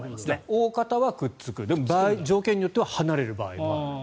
大方はくっつくでも条件によっては離れる場合もある。